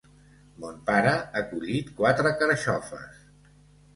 Mon pare ha collit quatre carxofes.